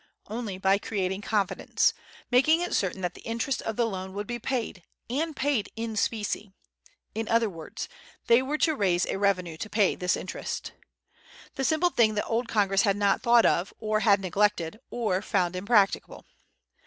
Only by creating confidence; making it certain that the interest of the loan would be paid, and paid in specie. In other words, they were to raise a revenue to pay this interest. This simple thing the old Congress had not thought of, or had neglected, or found impracticable.